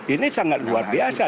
ini sangat luar biasa